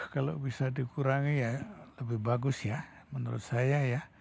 kalau bisa dikurangi ya lebih bagus ya menurut saya ya